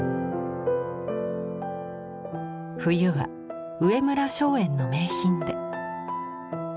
冬は上村松園の名品で。